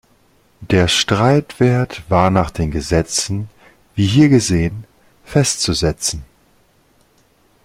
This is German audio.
Der Streitwert war nach den Gesetzen, wie hier geschehen, festzusetzen.